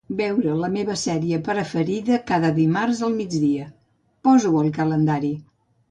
Veure la meva sèrie preferida cada dimarts al migdia, posa-ho al calendari.